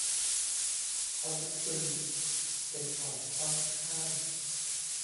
อาวุธปืน เป็นของต้องห้าม